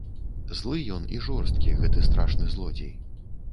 Злы ён і жорсткі, гэты страшны злодзей.